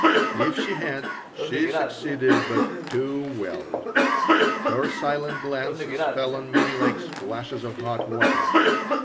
If she had, she succeeded but too well. Her silent glances fell on me like splashes of hot water.